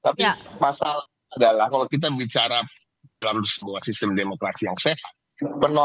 tapi masalah adalah kalau kita bicara dalam sebuah sistem demokrasi yang safe